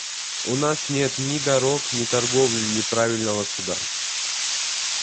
У нас нет ни дорог, ни торговли, ни правильного суда.